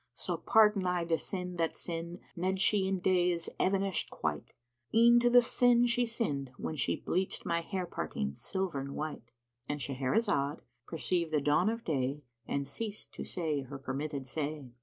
So pardon I the sin that sin * nčd she in days evanisht quite; E'en to the sin she sinned when she * Bleached my hair parting silvern white." —And Shahrazad perceived the dawn of day and ceased to say her permitted say.